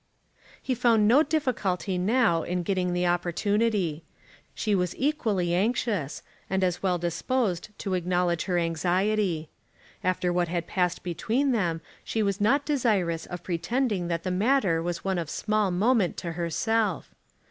He found no difficulty now in getting the opportunity. She was equally anxious, and as well disposed to acknowledge her anxiety. After what had passed between them she was not desirous of pretending that the matter was one of small moment to herself.